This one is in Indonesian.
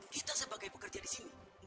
kita sebagai pekerja disini